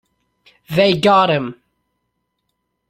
They got him!